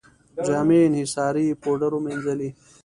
جامې یې انحصاري پوډرو مینځلې.